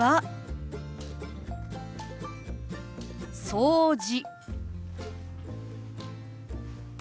「掃除」。